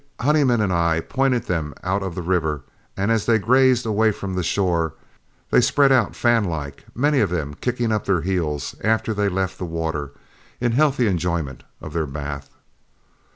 Honeyman and I pointed them out of the river; and as they grazed away from the shore, they spread out fan like, many of them kicking up their heels after they left the water in healthy enjoyment of their bath.